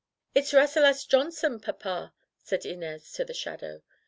"It's Rasselas Johnson, papa," said Inez to the shadow.